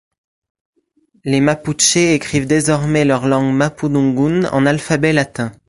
Les Mapuches écrivent désormais leur langue mapudungun en alphabet latin.